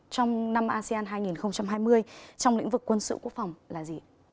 trong năm asean hai nghìn hai mươi trong lĩnh vực quân sự quốc phòng là gì